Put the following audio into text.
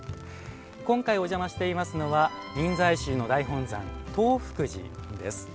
今回お邪魔していますのは臨済宗の大本山東福寺です。